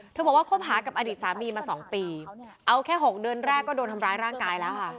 บอกว่าคบหากับอดีตสามีมา๒ปีเอาแค่๖เดือนแรกก็โดนทำร้ายร่างกายแล้วค่ะ